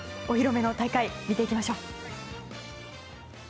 お披露目の大会見ていきましょう。